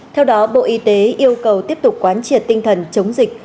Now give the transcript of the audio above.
theo đó bộ y tế yêu cầu tiếp tục quán triệt tinh thần chống dịch